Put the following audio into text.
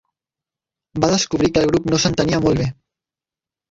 Va descobrir que el grup no s'entenia molt bé.